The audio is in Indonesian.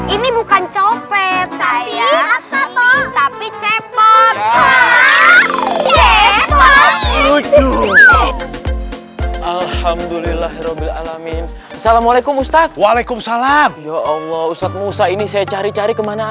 ini bukan copet saya tapi cepet